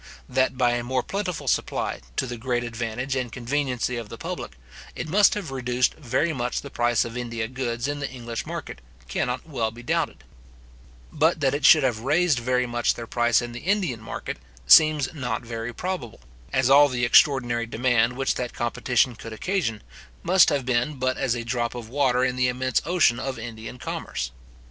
That by a more plentiful supply, to the great advantage and conveniency of the public, it must have reduced very much the price of India goods in the English market, cannot well be doubted; but that it should have raised very much their price in the Indian market, seems not very probable, as all the extraordinary demand which that competition could occasion must have been but as a drop of water in the immense ocean of Indian commerce.